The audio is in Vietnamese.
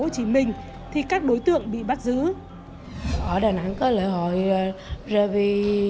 xin chào và hẹn gặp lại